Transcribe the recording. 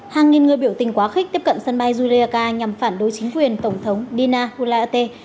hàng nghìn người biểu tình quá khích tiếp cận sân bay juliaca nhằm phản đối chính quyền tổng thống dina ullate